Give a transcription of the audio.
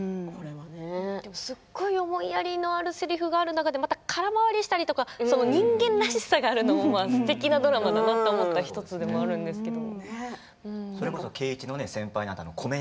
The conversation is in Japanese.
すごい思いやりのあるせりふの中で空回りしたりとか人間らしさがあるのもすてきなドラマだなと思った１つでもあるんですけれど。